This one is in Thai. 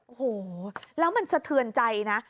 โอ้โหแล้วมันสะเทือนใจนะ